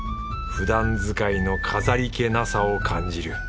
ふだん使いの飾り気なさを感じる。